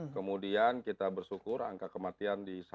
kemudian kita bersyukur angka kematian di satu enam persen